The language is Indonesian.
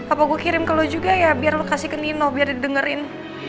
apa gue kirim ke lu juga ya biar lo kasih ke nino biar didengerin